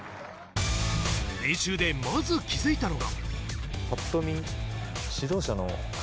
練習でまず気づいたのが。